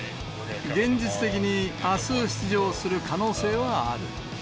現実的にあす、出場する可能性はある。